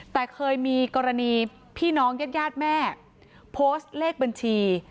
แต่เคยมีกรณีพี่น้องเย็ดแม่โพสต์เลขบัญชี